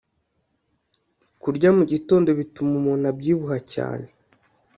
kurya mugitondo bituma umuntu abyibuha cyane